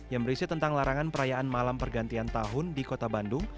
yang berisi tentang larangan perayaan malam pergantian tahun di kota bandung